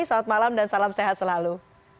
selamat malam dan salam sehat selalu